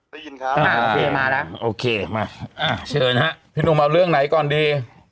ได้ยินครับอ่าโอเคมาแล้วโอเคมาอ่ะเชิญฮะพี่หนุ่มเอาเรื่องไหนก่อนดี